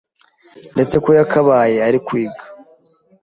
ndetse ko yakabaye ari kwiga,